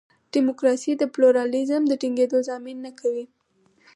ډیموکراسي د پلورالېزم د ټینګېدو ضامن نه کوي.